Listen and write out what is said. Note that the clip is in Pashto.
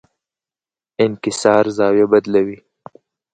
انکسار زاویه بدلوي.